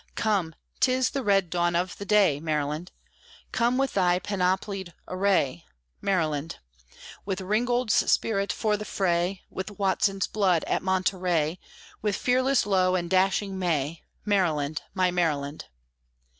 Come! 'tis the red dawn of the day, Maryland! Come with thy panoplied array, Maryland! With Ringgold's spirit for the fray, With Watson's blood at Monterey, With fearless Lowe and dashing May, Maryland, my Maryland!